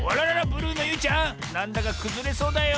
ブルーのゆいちゃんなんだかくずれそうだよ。